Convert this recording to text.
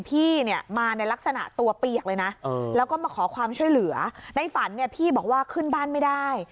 พี่เนี่ยมาในลักษณะตัวเปียกเลยนะแล้วก็มาขอความช่วยเหลือในฝันเนี่ยพี่บอกว่าขึ้นบ้านไม่ได้